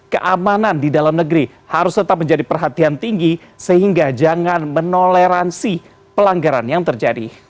keamanan di dalam negeri harus tetap menjadi perhatian tinggi sehingga jangan menoleransi pelanggaran yang terjadi